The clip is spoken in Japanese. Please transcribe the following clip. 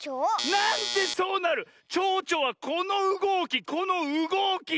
なんでそうなる⁉ちょうちょはこのうごきこのうごき！